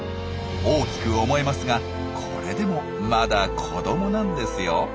大きく思えますがこれでもまだ子どもなんですよ。